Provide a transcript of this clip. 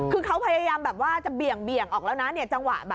คือเขาพยายามาจะเปลี่ยงออกนะเนี่ยจังหวะ